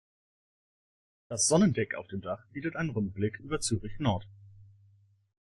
Das Sonnendeck auf dem Dach bietet einen Rundblick über Zürich-Nord.